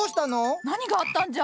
何があったんじゃ？